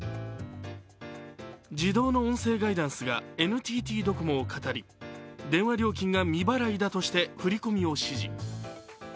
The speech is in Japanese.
自動の音声ガイダンスがＮＴＴドコモをかたり電話料金が未払いだとして振り込みを指示。